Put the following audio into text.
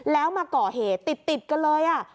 แล้วมาก่อเหตุติดกันเลย